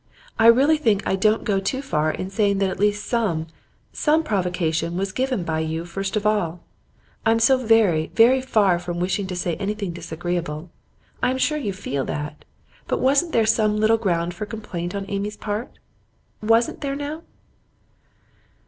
I really think I don't go too far in saying that at least some some provocation was given by you first of all. I am so very, very far from wishing to say anything disagreeable I am sure you feel that but wasn't there some little ground for complaint on Amy's part? Wasn't there, now?